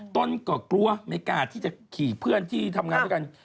ต้นก็กลัวไม่กล้าที่จะขี่เพื่อนที่ทำงานด้วยกัน